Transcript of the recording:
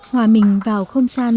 hòa mình vào không gian văn hóa